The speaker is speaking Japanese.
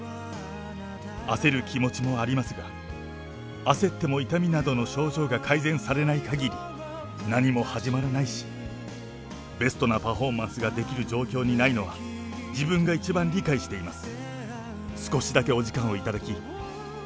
焦る気持ちもありますが、焦っても痛みなどの症状が改善されないかぎり、何も始まらないし、ベストなパフォーマンスができる状況にないのは、自分が一番理解しています。